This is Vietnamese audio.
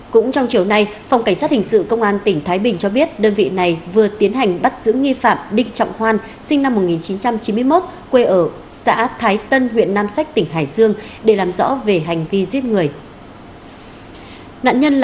cũng trong chiều nay phòng cảnh sát hình sự công an tỉnh thái bình cho biết đơn vị này vừa tiến hành bắt giữ nghi phạm đinh trọng hoan sinh năm một nghìn chín trăm chín mươi một quê ở xã thái tân huyện hương yên